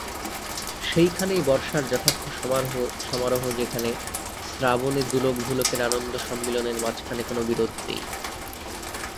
সেইখানেই বর্ষার যথার্থ সমারোহ-সেখানে শ্রাবণে দ্যুলোক-ভূলোকের আনন্দসম্মিলনের মাঝখানে কোনো বিরোধ নাই।